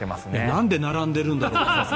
なんで並んでるんだろうって。